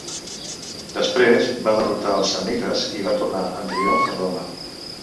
Després va derrotar els samnites i va tornar en triomf a Roma.